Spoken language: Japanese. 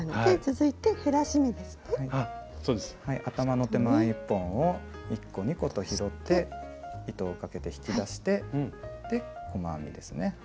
頭の手前１本を１個２個と拾って糸をかけて引き出して細編みですね